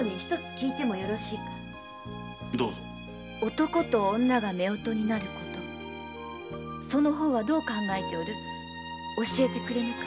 男と女が夫婦になることその方はどう考える？教えてくれぬか。